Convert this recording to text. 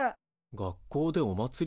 学校でおまつり？